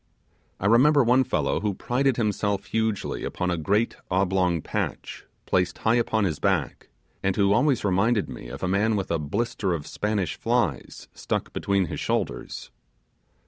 I remember one fellow who prided himself hugely upon a great oblong patch, placed high upon his back, and who always reminded me of a man with a blister of Spanish flies, stuck between his shoulders.